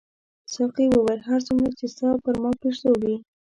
ساقي وویل هر څومره چې ستا پر ما پیرزو وې.